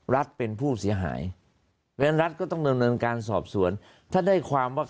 เป็นผู้เสียหายเพราะฉะนั้นรัฐก็ต้องดำเนินการสอบสวนถ้าได้ความว่า